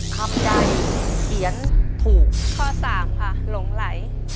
คำใจเขียนถูกข้อ๓ค่ะหลงไหล